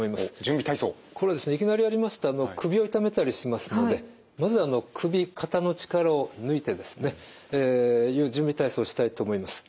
これいきなりやりますと首を痛めたりしますのでまず首肩の力を抜いてですねえ準備体操したいと思います。